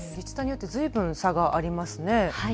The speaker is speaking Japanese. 自治体によってずいぶん差がありますね。